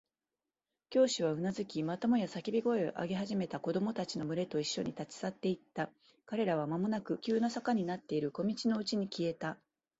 教師はうなずき、またもや叫び声を上げ始めた子供たちのむれといっしょに、立ち去っていった。彼らはまもなく急な坂になっている小路のうちに消えた。